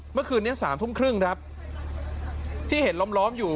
เมื่อคืนนี้๓ทุ่มครึ่งครับที่เห็นล้อมอยู่